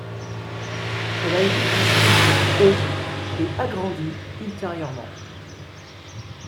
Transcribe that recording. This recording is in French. Elle a été construite au et agrandie ultérieurement.